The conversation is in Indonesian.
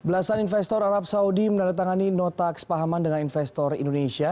belasan investor arab saudi menandatangani nota kesepahaman dengan investor indonesia